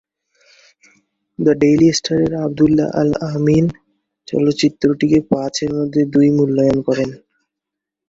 The daily স্টারের আব্দুল্লাহ আল আমিন চলচ্চিত্রটিকে পাঁচের মধ্যে দুই মূল্যায়ন করেন।